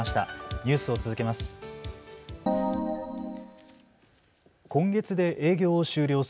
ニュースを続けます。